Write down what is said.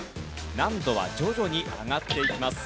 難度は徐々に上がっていきます。